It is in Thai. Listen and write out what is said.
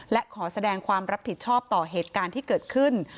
และขอแสดงความรับผิดชอบต่อเหตุการณ์ที่เกิดขึ้น